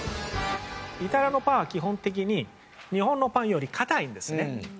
イタリアのパンは基本的に日本のパンより硬いんですね。